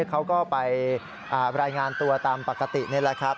เขาก็ไปรายงานตัวตามปกตินี่แหละครับ